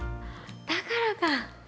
だからか！